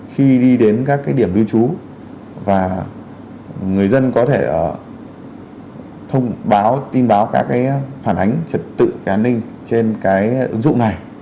khi đi đến các điểm lưu trú và người dân có thể thông báo tin báo các phản ánh trật tự an ninh trên cái ứng dụng này